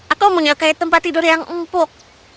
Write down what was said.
aku menyukai tempat tidur yang empuk